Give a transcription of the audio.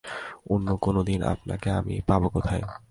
অন্য কোনোদিন আপনাকে আমি পাব কোথায়?